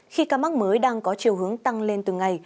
khi ca mắc mới đang có chiều hướng tăng lên từng ngày